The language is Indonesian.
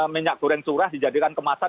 minyak goreng curah dijadikan kemasan